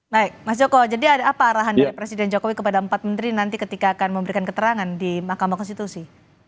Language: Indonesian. baik mas joko jadi ada apa arahan dari presiden jokowi kepada empat menteri nanti ketika akan memberikan keterangan di mahkamah konstitusi